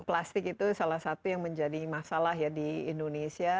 plastik itu salah satu yang menjadi masalah ya di indonesia